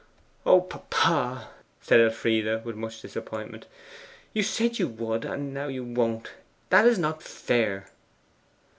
'O papa!' said Elfride, with much disappointment. 'You said you would, and now you won't. That is not fair!